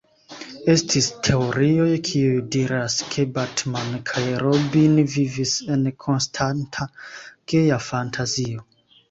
Estis teorioj kiuj diras ke Batman kaj Robin vivis en konstanta geja fantazio.